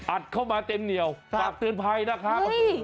เข้ามาเต็มเหนียวฝากเตือนภัยนะครับ